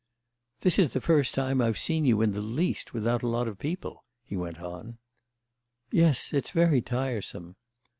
"This is the first time I've seen you in the least without a lot of people," he went on. "Yes, it's very tiresome."